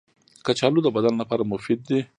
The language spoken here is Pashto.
کچالو د بدن لپاره مفید دي